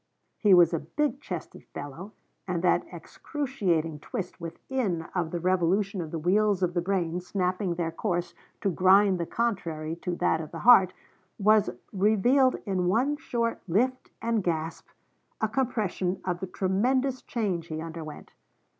He was a big chested fellow, and that excruciating twist within of the revolution of the wheels of the brain snapping their course to grind the contrary to that of the heart, was revealed in one short lift and gasp, a compression of the tremendous change he underwent.